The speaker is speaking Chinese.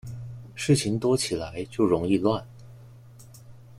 事情多起来就容易乱